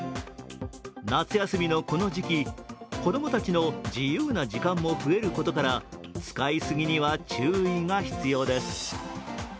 夏休みのこの時期、子供たちの自由な時間も増えることから使い過ぎには注意が必要です。